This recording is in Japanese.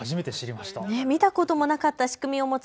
見たこともなかった仕組みを持つ